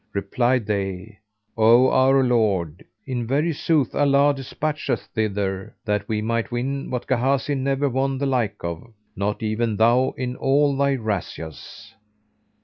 Replied they, "O our Lord, in very sooth Allah despatched us thither that we might win what Gházi[FN#419] never won the like of, not even thou in all thy razzias."